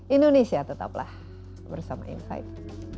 indonesia tetaplah bersama insight